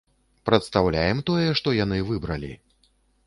Прадстаўляем тое, што яны выбралі.